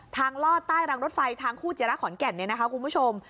ลอดใต้รางรถไฟทางคู่จิระขอนแก่นเนี่ยนะคะคุณผู้ชม